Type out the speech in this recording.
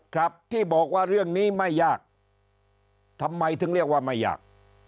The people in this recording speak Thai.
ครับที่บอกว่าเรื่องนี้ไม่ยากทำไมถึงเรียกว่าไม่ยาก